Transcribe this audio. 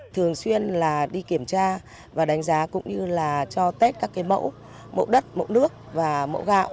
thường xuyên là đi kiểm tra và đánh giá cũng như là cho test các cái mẫu mẫu đất mẫu nước và mẫu gạo